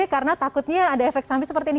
karena takutnya ada efek samping seperti ini